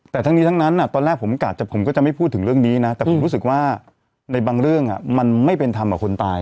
แต่ทั้งนี้ทั้งนั้นตอนแรกผมก็จะไม่พูดถึงเรื่องนี้นะแต่ผมรู้สึกว่าในบางเรื่องมันไม่เป็นธรรมกับคนตาย